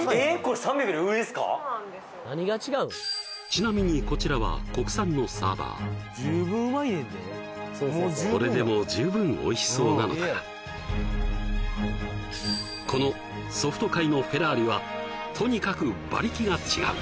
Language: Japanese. ちなみにこちらは国産のサーバーこれでも十分おいしそうなのだがこのソフト界のフェラーリはとにかく馬力が違う！